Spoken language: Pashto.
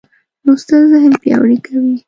لوستل ذهن پیاوړی کوي.